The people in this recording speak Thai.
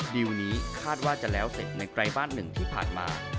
ดีลนี้คาดว่าจะแล้วเสร็จในไกลบ้านหนึ่งที่ผ่านมา